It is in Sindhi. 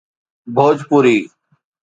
ڀوجپوري